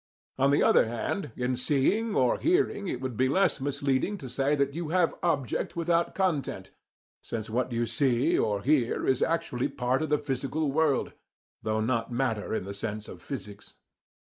On the other hand, in seeing or hearing it would be less misleading to say that you have object without content, since what you see or hear is actually part of the physical world, though not matter in the sense of physics.